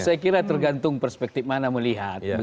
saya kira tergantung perspektif mana melihat